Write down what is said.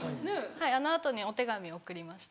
あの後にお手紙送りました。